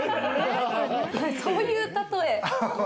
そういう例え？